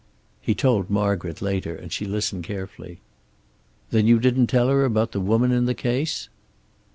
He told Margaret, later, and she listened carefully. "Then you didn't tell her about the woman in the case?"